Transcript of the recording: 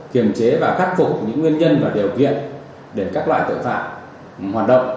kiềm chế và khắc phục những nguyên nhân và điều kiện để các loại tội phạm hoạt động